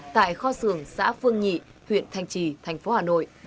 tại kho sường xã phương nhị huyện thành trì